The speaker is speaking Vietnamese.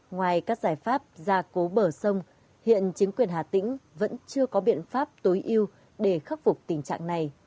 ngoài các giải pháp gia cố bờ sông hiện chính quyền hà tĩnh vẫn chưa có biện pháp tối ưu để khắc phục tình trạng này